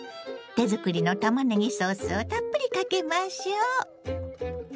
手作りのたまねぎソースをたっぷりかけましょ。